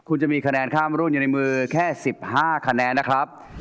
คุณจะมีคะแนนข้ามรุ่นอยู่ในมือแค่๑๕คะแนนนะครับ